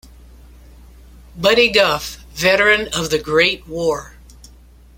Buddy Guff: veteran of the Great War.